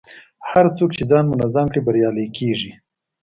هر څوک چې ځان منظم کړي، بریالی کېږي.